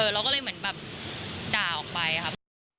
เราก็เลยเหมือนแบบด่าออกไปครับ